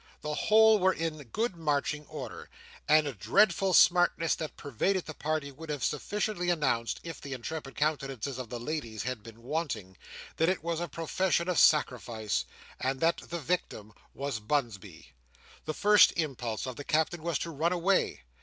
The whole were in good marching order; and a dreadful smartness that pervaded the party would have sufficiently announced, if the intrepid countenances of the ladies had been wanting, that it was a procession of sacrifice, and that the victim was Bunsby. The first impulse of the Captain was to run away.